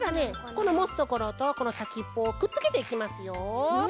このもつところとこのさきっぽをくっつけていきますよ。